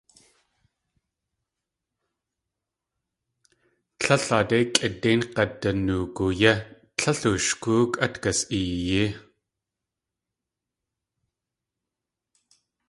Tlél aadé kʼidéin g̲aduwanoogu yé, tlél ooshgóok at gas.eeyí.